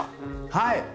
はい！